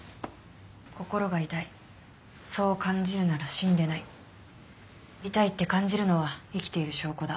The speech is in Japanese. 「『心が痛い』そう感じるなら死んでない」「痛いって感じるのは生きている証拠だ」